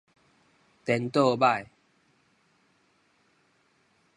顛倒䆀